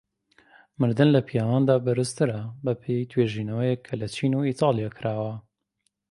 مردن لە پیاواندا بەرزترە بەپێی توێژینەوەک کە لە چین و ئیتاڵیا کراوە.